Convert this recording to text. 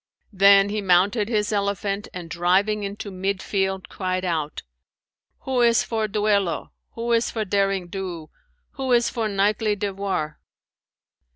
Then he mounted his elephant and driving into mid field, cried out, 'Who is for duello, who is for derring do, who is for knightly devoir?'